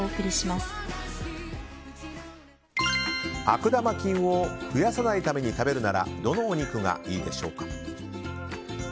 悪玉菌を増やさないために食べるならどのお肉がいいでしょうか。